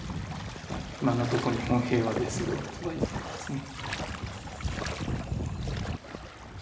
今のとこ日本平和ですよとは言ってますね。